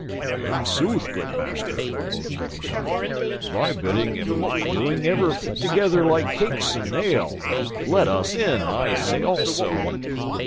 "In sooth, good master," quoth Little John, "thy bidding and my doing ever fit together like cakes and ale. Let us in, I say also."